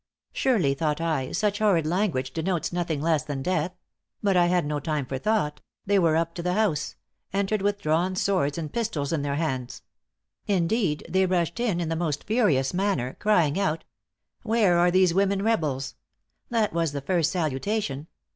Surely, thought I, such horrid language denotes nothing less than death; but I had no time for thought they were up to the house entered with drawn swords and pistols in their hands: indeed they rushed in in the most furious manner, crying out, 'Where are these women rebels?' That was the first salutation!